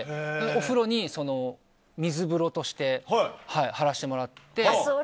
お風呂に、水風呂として張らせてもらって。